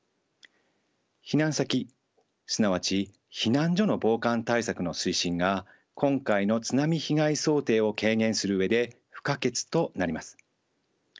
避難先すなわち避難所の防寒対策の推進が今回の津波被害想定を軽減する上で不可欠となります。